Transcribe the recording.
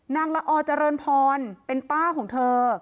นางละอจริงพรเป็นป้าของเธอ